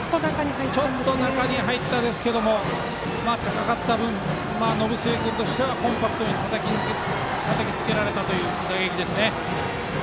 ちょっと中に入ったんですけど高かった分、延末君としてはコンパクトにたたきつけられたという打撃です。